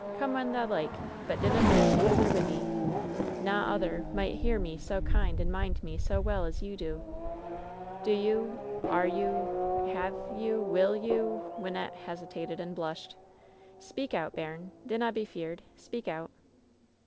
Come when thou like, but dinna bring ony other with 'ee. Na other might hear me sa kind and mind me sa well as ye do." "Do you — are you — ^have you — ^will you Wynnette hesitated and blushed. "Speak out, bairn. Dinna be feared. Speak out."